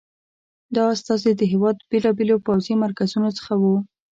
دا استازي د هېواد بېلابېلو پوځي مرکزونو څخه وو.